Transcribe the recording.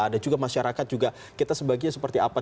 dan juga masyarakat juga kita sebagiannya seperti apa